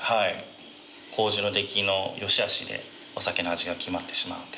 麹の出来のよしあしでお酒の味が決まってしまうと。